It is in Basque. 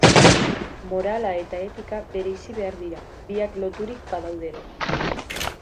Morala eta etika bereizi behar dira, biak loturik badaude ere.